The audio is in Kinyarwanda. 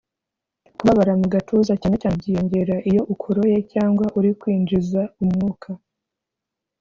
Kubabara mu gituza cyane cyane byiyongera iyo ukoroye cg uri kwinjiza umwuka